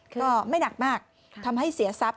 ก็ไม่หนักมากทำให้เสียทรัพย